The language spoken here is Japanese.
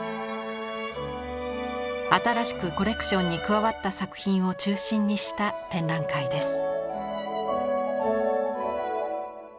新しくコレクションに加わった作品を中心にした展覧会です。